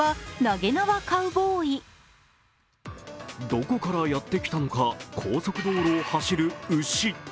どこからやってきたのは高速道路を走る牛。